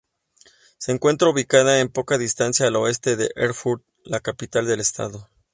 Se encuentra ubicada a poca distancia al oeste de Erfurt, la capital del estado.